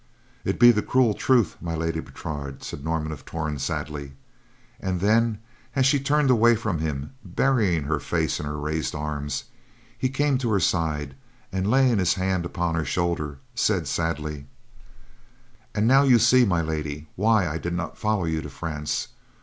"It be the cruel truth, My Lady Bertrade," said Norman of Torn sadly. And, then, as she turned away from him, burying her face in her raised arms, he came to her side, and, laying his hand upon her shoulder, said sadly: "And now you see, My Lady, why I did not follow you to France.